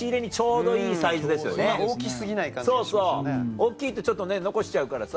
大きいとちょっとね残しちゃうからさ。